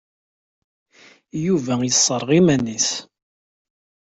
Yuba yesserɣ iman-nnes.